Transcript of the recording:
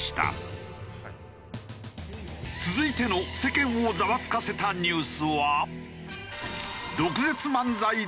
続いての世間をザワつかせたニュースは。